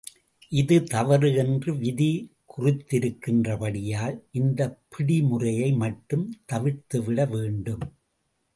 இது தவறு என்று விதி குறித்திருக்கின்றபடியால், இந்தப் பிடி முறையை மட்டும் தவிர்த்துவிட வேண்டும்.